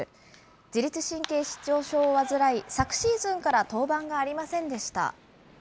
自律神経失調症を患い、昨シーズンから登板がありませんでした。